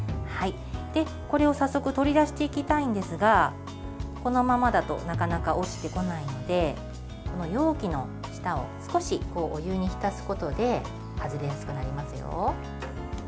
これを早速取り出していきたいんですがこのままだとなかなか落ちてこないので容器の下を少しお湯に浸すことで外れやすくなりますよ。